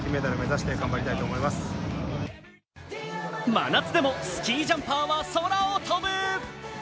真夏でもスキージャンパーは空を飛ぶ！